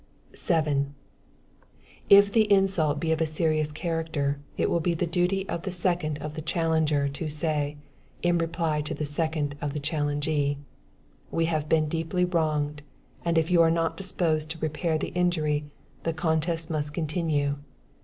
7. If the insult be of a serious character, it will be the duty of the second of the challenger, to say, in reply to the second of the challengee: "We have been deeply wronged, and if you are not disposed to repair the injury, the contest must continue."